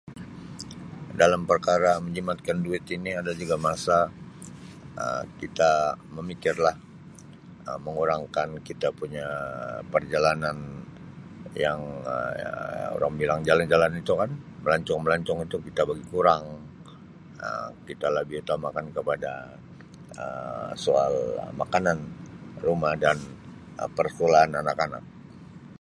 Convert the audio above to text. Dalam perkara menjimatkan duit ini ada juga masa Um kita memikir lah Um mengurangkan kita punya perjalanan yang Um orang bilang jalan-jalan itu kan melancong-melancong itu kita bagi kurang Um kita lebih utamakan kepada Um soal makanan, rumah dan Um persekolahan anak-anak.